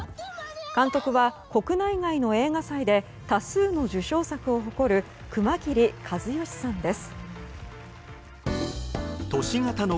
監督は、国内外の映画祭で多数の受賞作を誇る熊切和嘉さんです。